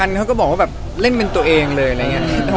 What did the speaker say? จะเจอแบบเม็ดไอโดรน์มาก